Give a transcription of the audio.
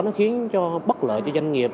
nó khiến cho bất lợi cho doanh nghiệp